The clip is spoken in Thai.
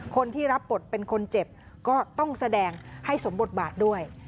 คนที่รับบทเป็นคนเจ็บก็ต้องแสดงให้สมบทบาทด้วย